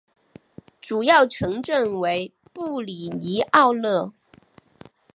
主要城镇为布里尼奥勒。